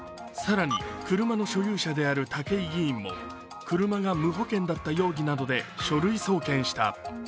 更に、車の所有者である武井議員も車が無保険だった容疑などで書類送検した。